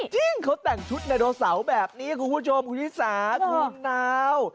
จริงเขาแต่งชุดไดโนเสาร์แบบนี้คุณผู้ชมคุณชิสาทุ่งนาว